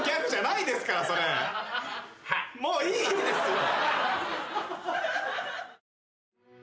もういいですよ。